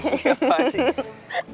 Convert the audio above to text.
ya apaan sih